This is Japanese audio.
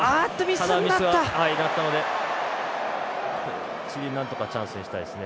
ただミスがあったのでチリ、なんとかチャンスにしたいですね。